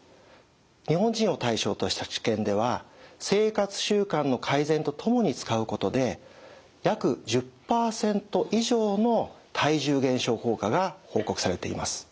日本人を対象とした治験では生活習慣の改善と共に使うことで約１０％以上の体重減少効果が報告されています。